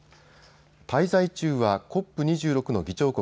滞在中はＣＯＰ２６の議長国